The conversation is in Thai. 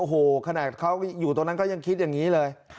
โอ้โหขนาดเขาอยู่ตรงนั้นก็ยังคิดอย่างนี้เลย